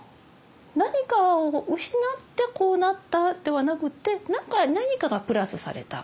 何かを失ってこうなったではなくって何かがプラスされた。